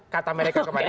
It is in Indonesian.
kata mereka kemarin